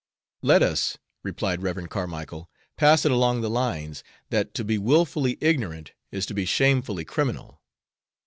"Let us," replied Rev. Carmicle, "pass it along the lines, that to be willfully ignorant is to be shamefully criminal.